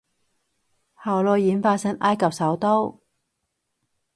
後來演化成埃及首都